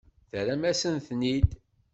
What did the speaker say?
Terramt-asen-ten-id.